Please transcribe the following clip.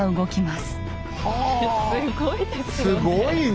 すごいね。